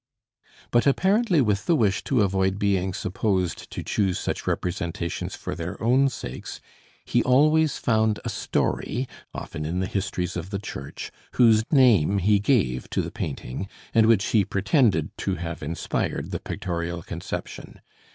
But apparently with the wish to avoid being supposed to choose such representations for their own sakes, he always found a story, often in the histories of the church, whose name he gave to the painting, and which he pretended to have inspired the pictorial conception.